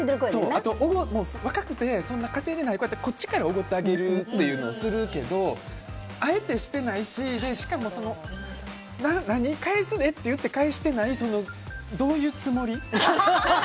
若くて稼いでないんやったらこっちからおごってあげるっていうのをするけどあえてしてないししかも返すでって言って返してない、どういうつもり？